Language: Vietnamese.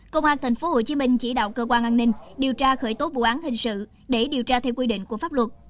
công an tp hcm chỉ đạo cơ quan an ninh điều tra khởi tố vụ án hình sự để điều tra theo quy định của pháp luật